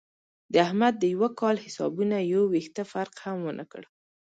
د احمد د یوه کال حسابونو یو وېښته فرق هم ونه کړ.